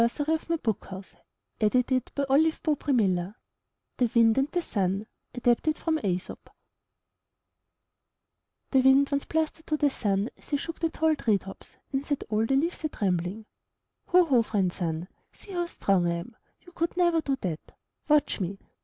— Clifton Johnson ii8 IN THE NURSERY THE WIND AND THE SUN Adapted from Aesop The Wind once blustered to the Sun as he shook the tall tree tops and set all the leaves a trembling: ''Ho! Ho! friend Sun, see how strong I am. You could never do that! Watch me!